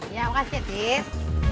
iya makasih tis